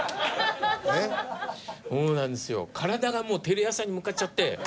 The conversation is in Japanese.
体がもうテレ朝に向かっちゃって。